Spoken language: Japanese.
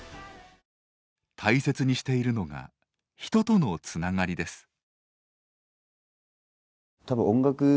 大切にしているのが人とのつながりです。